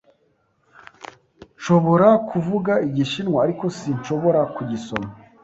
Nshobora kuvuga Igishinwa, ariko sinshobora kugisoma.